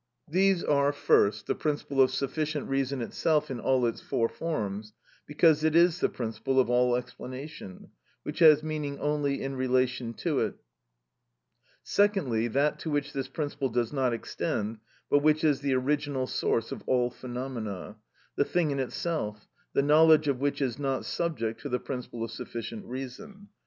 These are, first, the principle of sufficient reason itself in all its four forms, because it is the principle of all explanation, which has meaning only in relation to it; secondly, that to which this principle does not extend, but which is the original source of all phenomena; the thing in itself, the knowledge of which is not subject to the principle of sufficient reason.